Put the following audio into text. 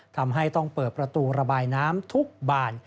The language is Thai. ทำให้ต้องเปิดประตูระบายน้ำทุกบาน